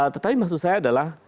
tetapi maksud saya adalah